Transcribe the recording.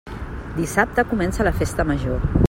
Dissabte comença la Festa Major.